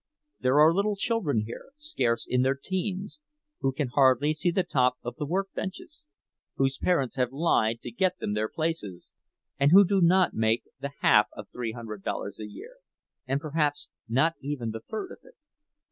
There are little children here, scarce in their teens, who can hardly see the top of the work benches—whose parents have lied to get them their places—and who do not make the half of three hundred dollars a year, and perhaps not even the third of it.